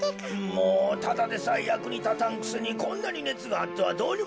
もうただでさえやくにたたんくせにこんなにねつがあってはどうにもならんわい。